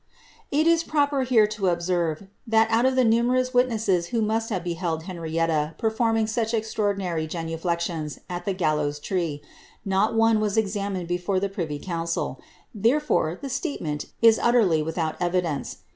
"' It ia proper here to obaenre, that out of the numeroua witnesses who Mist have bdield Henrietta performing such extraordinary genuflexions at the gallowa tree, not one was examined before the privy council ; ilierefora the statement is utterly without evidence.